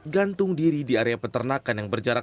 gantung diri di area peternakan yang berjarak